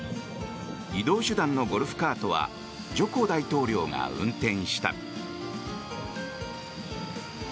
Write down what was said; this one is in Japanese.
移動手段のゴルフカートはジョコ大統領が運転した。